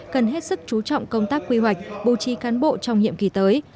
cần hết sức trú trọng công tác quy hoạch bù trí cán bộ trong nhiệm kỳ tới